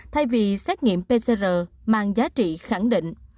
thay vì xét nghiệm pcr mang giá trị khẳng định